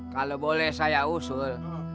kalau boleh saya usul